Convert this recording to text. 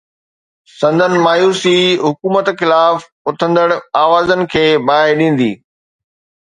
سندن مايوسي حڪومت خلاف اٿندڙ آوازن کي باهه ڏيندي.